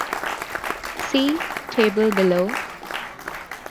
See table below.